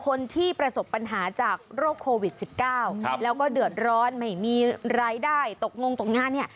คนที่ประสบปัญหาจากโรคโควิด๑๙แล้วก็เดือดร้อนไม่มีรายได้ตกงงตกงานเนี่ย